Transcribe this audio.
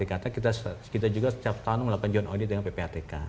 karena kita juga setiap tahun melakukan joint audit dengan ppatk